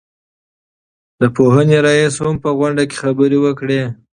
د پوهنې رئيس هم په غونډه کې خبرې وکړې.